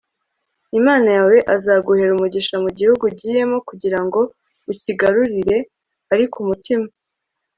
imana yawe azaguhera umugisha mu gihugu ugiyemo kugira ngo ukigarurire. ariko umutima